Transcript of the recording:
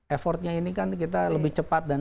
effortnya ini kan kita lebih cepat dan